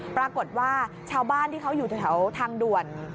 ปรากฏว่าชาวบ้านที่เขาอยู่แถวทางด่วน